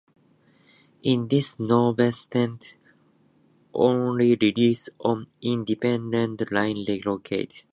It is Nordenstam's only release on Independiente Records.